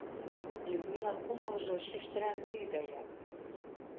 Людмилан кумылжо шӱштыра мӱй гаяк.